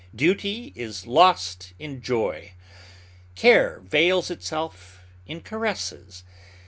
Duty is lost in joy. Care veils itself in caresses.